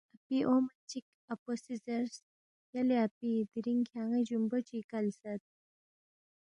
اپی اونگما چِک اپو سی زیرس، یلے اپی دِرِنگ کھیان٘ی جُومبو چی کلسید